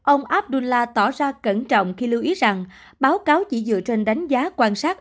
ông abdullah tỏ ra cẩn trọng khi lưu ý rằng báo cáo chỉ dựa trên đánh giá quan sát